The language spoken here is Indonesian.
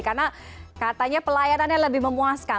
karena katanya pelayanannya lebih memuaskan